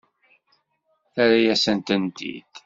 Terra-yasen-tent-id.